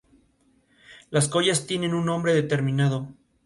Las collas tienen un nombre determinado.